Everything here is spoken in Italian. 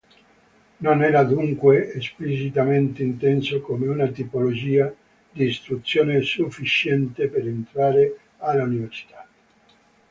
Non era dunque esplicitamente inteso come una tipologia di istruzione sufficiente per entrare all'università.